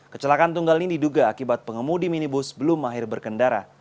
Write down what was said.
kecelakaan tunggal ini diduga akibat pengemudi minibus belum akhir berkendara